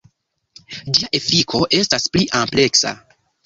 Ĝia efiko estas pli ampleksa.